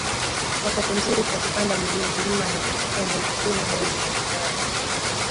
wakati mzuri kwa kupanda mlima ni kuanzia mwezi Juni hadi mwezi Februari